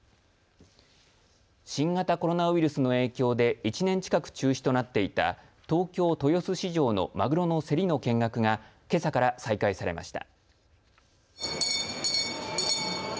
新型コロナウイルスの影響で１年近く中止となっていた東京、豊洲市場のマグロの競りの見学がけさから再開されました。